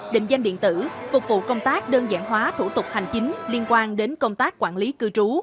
định danh điện tử phục vụ công tác đơn giản hóa thủ tục hành chính liên quan đến công tác quản lý cư trú